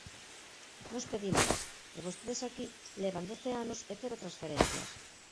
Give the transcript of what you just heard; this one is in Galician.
Nós pedímolas, e vostedes aquí levan doce anos e cero transferencias.